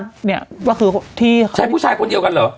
ใช้ผู้ชายคนเดียวกันเหรอ